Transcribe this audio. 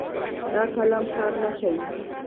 دا قلم کار نه کوي